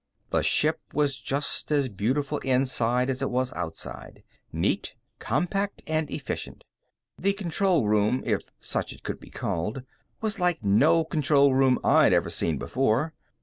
The ship was just as beautiful inside as it was outside. Neat, compact, and efficient. The control room if such it could be called was like no control room I'd ever seen before.